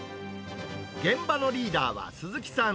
現場のリーダーは鈴木さん。